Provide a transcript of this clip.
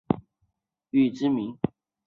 近年身为声优愈来愈知名。